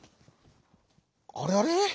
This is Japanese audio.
「あれあれ？